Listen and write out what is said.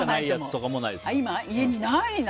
家にないな。